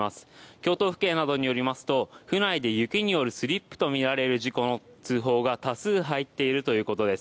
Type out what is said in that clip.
京都府警によりますと府内でスリップによる事故の通報が多数入っているということです。